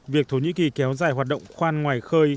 việc thổ nhĩ kỳ kéo dài hoạt động khoan ngoài khơi